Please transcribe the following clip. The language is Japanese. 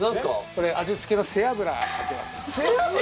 これ味付けの背脂かけます。